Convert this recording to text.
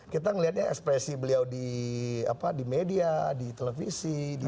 kita melihatnya ekspresi beliau di media di televisi